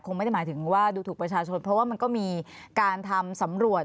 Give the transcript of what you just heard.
ไม่ได้หมายถึงว่าดูถูกประชาชนเพราะว่ามันก็มีการทำสำรวจ